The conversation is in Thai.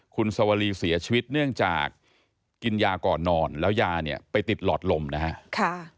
คุณสวรีเสียชีวิตเนื่องจากกินยาก่อนนอนแล้วยาเนี่ยไปติดหลอดลมนะฮะ